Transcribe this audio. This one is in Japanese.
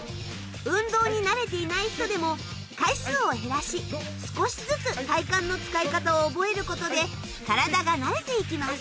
運動に慣れていない人でも回数を減らし少しずつ体幹の使い方を覚えることで体が慣れて行きます。